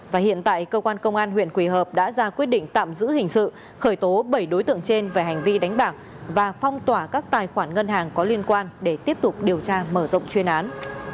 và hiện tại cơ quan công an huyện quỳ hợp đã ra quyết định tạm giữ hình sự khởi tố bảy đối tượng trên về hành vi đánh bạc và phong tỏa các tài khoản ngân hàng có liên quan để tiếp tục điều tra mở rộng chuyên án